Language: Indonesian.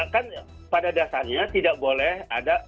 kan pada dasarnya tidak boleh ada